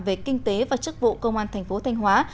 về kinh tế và chức vụ công an tp thanh hóa